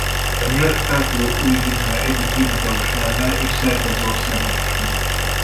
A nyelv Pápua Új-Guinea egyik hivatalos nyelve és szerte az országban ismerik.